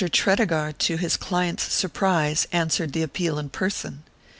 Tredegar, to his client's surprise, answered the appeal in person.